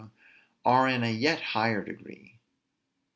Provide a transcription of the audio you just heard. are in a yet higher degree.